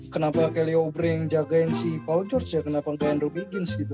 kenapa kelly oubre yang jagain si paul george ya kenapa ke andrew biggins gitu